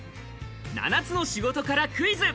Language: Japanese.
７つの仕事からクイズ。